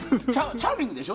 チャーミングでしょ？